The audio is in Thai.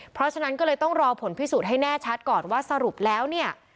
เพราะฉะนั้นก็เลยต้องรอผลพิสูจน์ให้แน่ชัดก่อนว่าสรุปแล้วเนี่ย